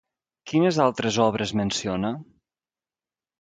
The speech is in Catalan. Quines altres obres menciona?